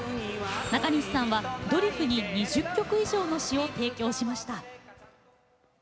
なかにしさんはドリフに２０曲以上の詞を提供しました。